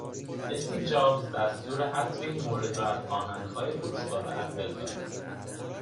استیو جابز دستور حذف این مورد را از آهنگهای فروشگاه اپل داد